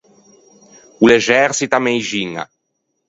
O l’exerçita a meixiña.